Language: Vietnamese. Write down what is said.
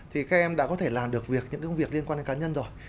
thì các em đã có thể làm được những công việc liên quan đến cá nhân rồi